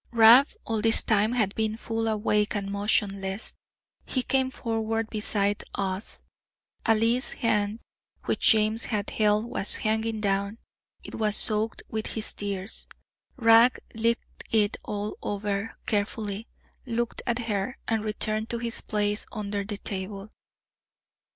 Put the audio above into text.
Rab all this time had been full awake and motionless; he came forward beside us; Ailie's hand, which James had held, was hanging down; it was soaked with his tears; Rab licked it all over carefully, looked at her, and returned to his place under the table.